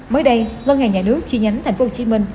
mới đây ngân hàng nhà nước chi nhánh tp hcm